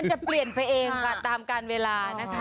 จะเปลี่ยนไปเองค่ะตามการเวลานะคะ